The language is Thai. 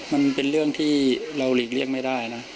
มันเป็นเรื่องที่เราหลีกเลี่ยงไม่ได้นะ